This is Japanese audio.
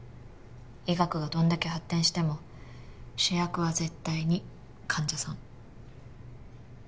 医学がどんだけ発展しても主役は絶対に患者さん。